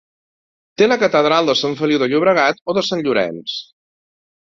Té la Catedral de Sant Feliu de Llobregat o de Sant Llorenç.